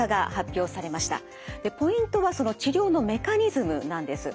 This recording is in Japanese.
ポイントはその治療のメカニズムなんです。